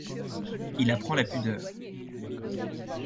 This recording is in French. Il apprend la pudeur.